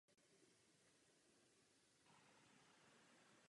Navzdory mnoha problémům odvedlo švédské předsednictví Rady skvělou práci.